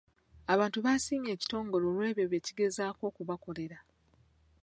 Abantu basiimye ekitongole olw'ebyo bye kigezaako okubakolera.